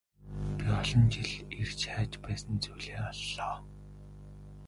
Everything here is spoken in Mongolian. Би олон жил эрж хайж байсан зүйлээ оллоо.